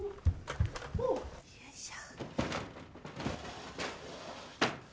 よいしょ。